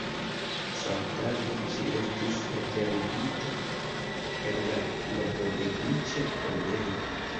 Samtage ŝi estis enterigita en la Novodeviĉe-tombejo.